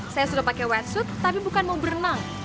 saya sudah pakai wetsuit tapi bukan mau berenang